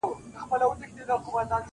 په دعا سو د امیر او د خپلوانو-